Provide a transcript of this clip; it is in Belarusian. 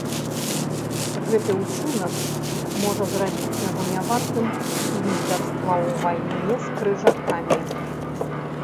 Гэты ўчынак можа зрабіць яго нявартым лідарства ў вайне з крыжакамі.